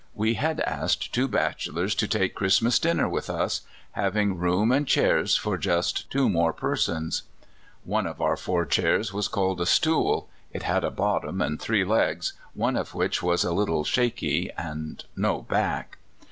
We had asked two bachelors to take Christmas dinner wath us, 132 CALIFORNIA SKETCHES. having room and chairs for just two more persons. (One of our four chairs was called a stool. It had a bottom and three legs, one of which was a little shaky, and no back.